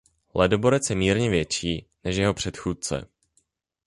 Ledoborec je mírně větší než jeho předchůdce.